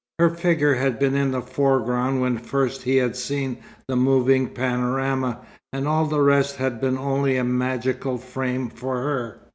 Her figure had been in the foreground when first he had seen the moving panorama, and all the rest had been only a magical frame for her.